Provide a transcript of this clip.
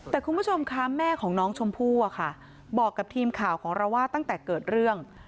แต่คุณผู้ชมคะแม่ของน้องชมพู่อะค่ะบอกกับทีมข่าวของเราว่าตั้งแต่เกิดเรื่อง